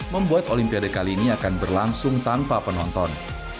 membuat olimpiade kali ini akan berlangsung tanpa penonton